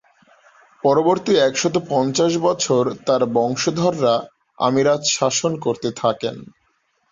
পরবর্তী একশত পঞ্চাশ বছর তার বংশধররা আমিরাত শাসন করতে থাকেন।